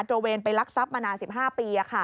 ระเวนไปลักทรัพย์มานาน๑๕ปี